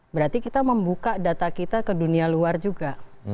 berarti kita membuka data kita ke dunia luar juga